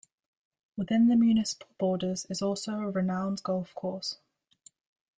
Within the municipal borders is also a renowned golf course.